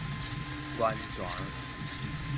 源泉